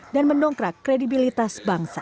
dan mendongkrak kredibilitas bangsa